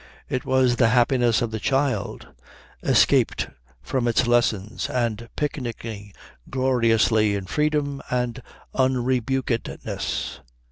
It was the happiness of the child escaped from its lessons and picnicking gloriously in freedom and unrebukedness.